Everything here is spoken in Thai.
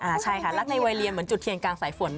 ใช่ค่ะรักในวัยเรียนเหมือนจุดเทียนกลางสายฝน